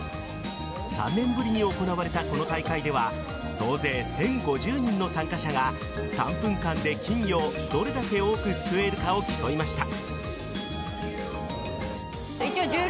３年ぶりに行われたこの大会では総勢１０５０人の参加者が３分間で金魚をどれだけ多くすくえるかを競いました。